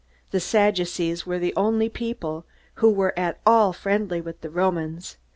The Sadducees were the only people who were at all friendly with the Romans.